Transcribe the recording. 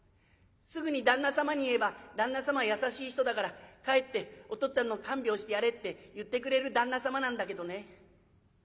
すぐに旦那様に言えば旦那様は優しい人だから帰ってお父っつぁんの看病してやれって言ってくれる旦那様なんだけどね